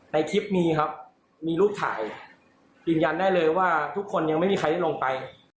ในคลิปมีครับมีรูปถ่ายยืนยันได้เลยว่าทุกคนยังไม่มีใครได้ลงไป